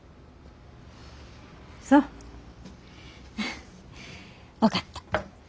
そう分かった。